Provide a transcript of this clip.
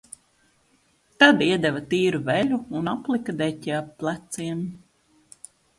Tad iedeva tīru veļu un aplika deķi ap pleciem.